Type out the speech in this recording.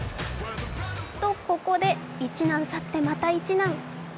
と、ここで、一難去ってまた一難。